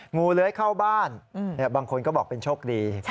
งูเลื้อยเข้าบ้านบางคนก็บอกเป็นโชคดี